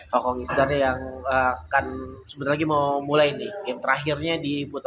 hong kong eastern yang akan sebentar lagi mau mulai nih game terakhirnya di buta